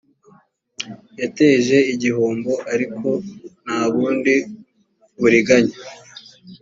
yateje igihombo ariko nta bundi buriganya